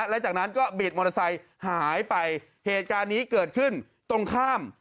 และจากนั้นก็บีดมอเตอร์ไซค์หายไปเหตุการณ์นี้เกิดขึ้นตรงข้าม